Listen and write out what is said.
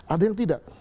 ada yang tidak